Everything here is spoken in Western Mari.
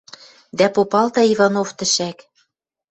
Дӓ попалта Иванов тӹшӓк;